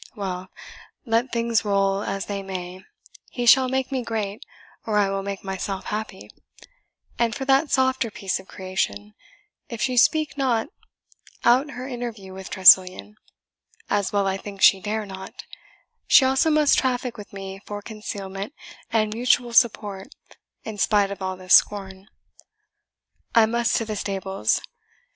Well let things roll as they may, he shall make me great, or I will make myself happy; and for that softer piece of creation, if she speak not out her interview with Tressilian, as well I think she dare not, she also must traffic with me for concealment and mutual support, in spite of all this scorn. I must to the stables.